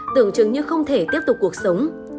tưởng chừng như không thể tiếp tục cuộc sống